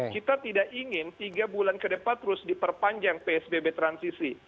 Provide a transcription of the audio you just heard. kita tidak ingin tiga bulan ke depan terus diperpanjang psbb transisi